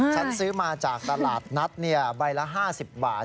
ฉันซื้อมาจากตลาดนัดเนี่ยใบละ๕๐บาท